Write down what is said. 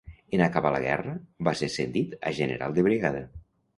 En acabar la guerra, va ser ascendit a general de brigada.